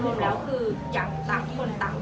ตอนนี้ก็คือยังเหมือนเดิม